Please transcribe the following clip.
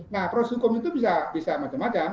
nah proses hukum itu bisa macam macam